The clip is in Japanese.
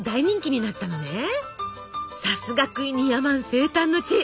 さすがクイニーアマン生誕の地。